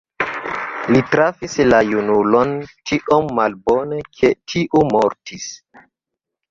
Li trafis la junulon tiom malbone, ke tiu mortis.